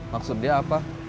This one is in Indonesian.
maksud dia apa